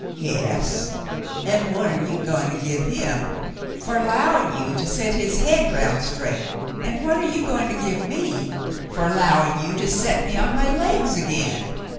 ^" "Yas, an' what are ye goin' to give him fer 'lowin' ye to set his hade round straight, an' what are ye goin' to give me fer 'lowin' ye to set me on my laigs again